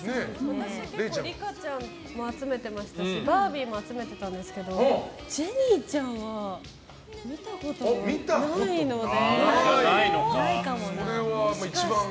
私は結構リカちゃんも集めてましたしバービーも集めてたんですけどジェニーちゃんは見たことがないので。